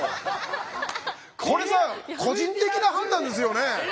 これさ個人的な判断ですよね？